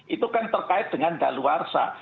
itu kan terkait dengan daluarsa